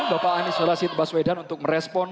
bapak anies rasid baswedan untuk merespon